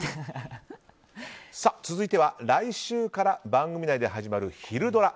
続いては来週から番組内で始まるひるドラ！